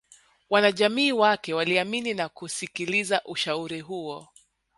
Wanajamii wake waliamini na kusikiliza ushauri huo